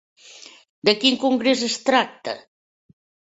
De quin congrés es tracta?